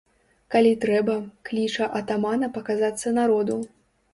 Калі трэба, кліча атамана паказацца народу.